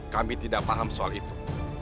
kami tidak paham soal itu